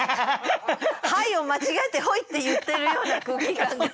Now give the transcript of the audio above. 「はい」を間違えて「ほい」って言ってるような空気感です。